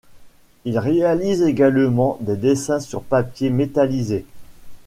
Il réalise également des dessins sur papiers métallisés.